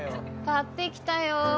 買ってきたよ。